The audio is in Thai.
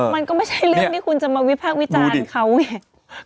มันก็ไม่ใช่เรื่องที่คุณจะมาวิภาควิจารณ์เขาเนี่ยดูดิ